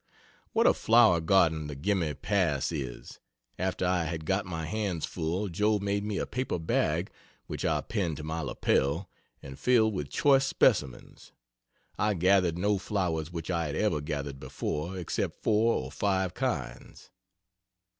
What a flower garden the Gemmi Pass is! After I had got my hands full Joe made me a paper bag, which I pinned to my lapel and filled with choice specimens. I gathered no flowers which I had ever gathered before except 4 or 5 kinds.